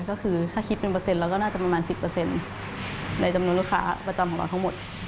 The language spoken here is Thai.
ก็คือถ้าคิดเป็นเปอร์เซ็นต์เราก็น่าจะประมาณ๑๐ในจำนวนลูกค้าประจำของเราทั้งหมด